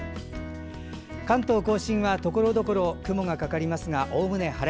関東・甲信はところどころ雲がかかりますがおおむね晴れ。